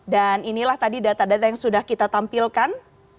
dan inilah tadi data data yang sudah kita tampilkan